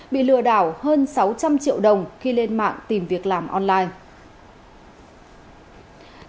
bị lừa đảo hơn sáu trăm linh triệu đồng khi lên mạng tìm việc làm online